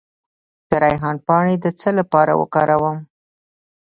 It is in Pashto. د ریحان پاڼې د څه لپاره وکاروم؟